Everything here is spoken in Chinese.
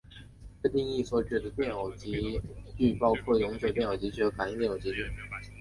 这定义所指的电偶极矩包括永久电偶极矩和感应电偶极矩。